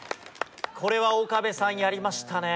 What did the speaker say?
これは岡部さんやりましたね。